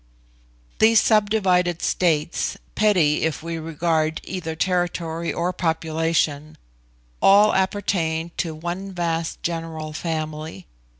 These subdivided states, petty if we regard either territory or population, all appertained to one vast general family.